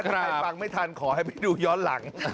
ใครฟังไม่ทันขอให้ไปดูย้อนหลัง